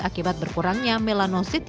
akibat berkurangnya melanocytis